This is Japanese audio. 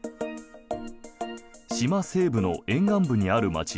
島西部の沿岸部にある街